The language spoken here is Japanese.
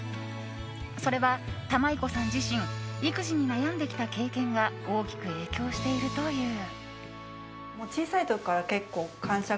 それは、玉居子さん自身育児に悩んできた経験が大きく影響しているという。